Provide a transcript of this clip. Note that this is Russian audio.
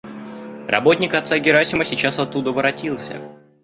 Работник отца Герасима сейчас оттуда воротился.